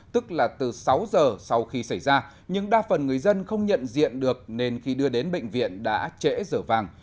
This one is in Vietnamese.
tức là từ sáu giờ sau khi xảy ra nhưng đa phần người dân không nhận diện được nên khi đưa đến bệnh viện đã trễ dở vàng